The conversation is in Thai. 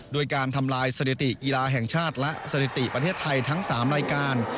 โดยการทำลายสถิติกีฬาแห่งชาติและสถิติประเทศไทยทั้ง๓รายการ